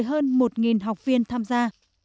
nghề nông nghiệp với hơn một học viên tham gia